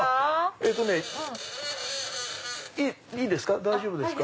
えっとねいいですか？